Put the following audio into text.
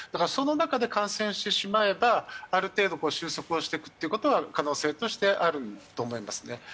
その中で感染してしまえばある程度収束をしていくことは可能性としてあると思います。